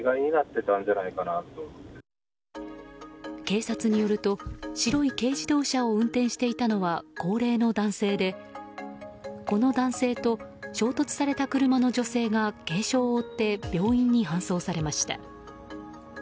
警察によると白い軽自動車を運転していたのは高齢の男性でこの男性と衝突された車の女性が軽傷を負って病院に搬送されました。